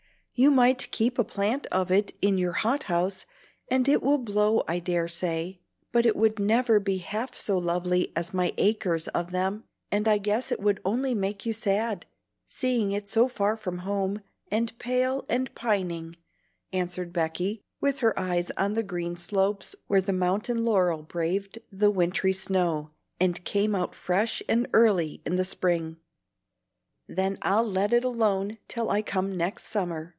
You might keep a plant of it in your hot house, and it would blow I dare say; but it would never be half so lovely as my acres of them, and I guess it would only make you sad, seeing it so far from home, and pale and pining," answered Becky, with her eyes on the green slopes where the mountain laurel braved the wintry snow, and came out fresh and early in the spring. "Then I'll let it alone till I come next summer.